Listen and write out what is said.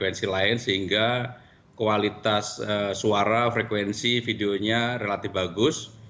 frekuensi lain sehingga kualitas suara frekuensi videonya relatif bagus